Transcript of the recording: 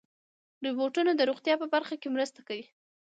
روبوټونه د روغتیا په برخه کې مرسته کوي.